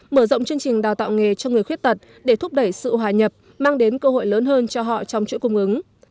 mở rộng chương trình đào tạo nghề cho người khuyết tật để thúc đẩy sự hòa nhập mang đến cơ hội lớn hơn cho họ trong chuỗi cung ứng